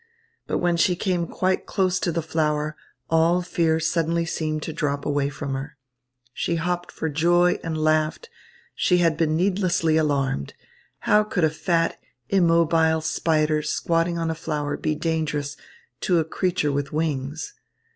But when she came quite close to the flower, all fear suddenly seemed to drop away from her. She hopped for joy and laughed she had been needlessly alarmed. How could a fat, immobile spider squatting on a flower be dangerous to a creature with wings?